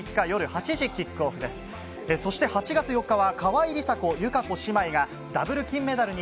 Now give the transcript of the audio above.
８月４日は川井梨紗子、友香子姉妹がＷ金メダルに